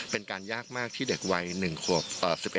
เป็นการยากที่เด็กวันไว๑คม